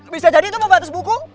bisa jadi itu membatas buku